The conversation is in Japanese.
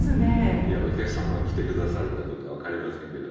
いやお客様が来て下さるかどうか分かりませんけど。